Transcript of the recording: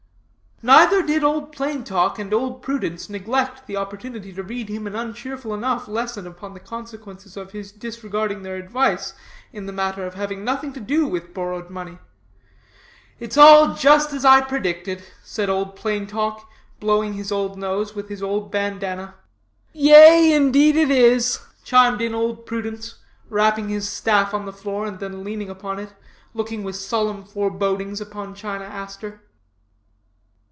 Neither did Old Plain Talk, and Old Prudence neglect the opportunity to read him an uncheerful enough lesson upon the consequences of his disregarding their advice in the matter of having nothing to do with borrowed money. 'It's all just as I predicted,' said Old Plain Talk, blowing his old nose with his old bandana. 'Yea, indeed is it,' chimed in Old Prudence, rapping his staff on the floor, and then leaning upon it, looking with solemn forebodings upon China Aster.